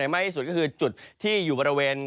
มากที่สุดก็คือจุดที่อยู่บริเวณ